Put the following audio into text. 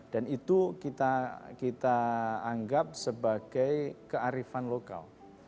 dan itu kita anggap sebagai kearifan lokal